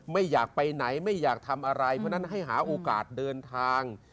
ไม่อยากไปไหนไม่อยากทำอะไรเพราะฉะนั้นให้หาโอกาสเดินทาง